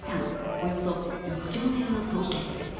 およそ１兆円を凍結。